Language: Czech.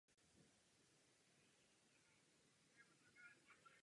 Vyrábí se z viskózní skloviny roztavené ve sklářské peci.